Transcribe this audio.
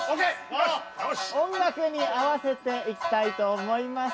よしっ音楽に合わせていきたいと思います